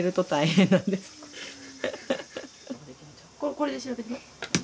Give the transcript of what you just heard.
これで調べるの？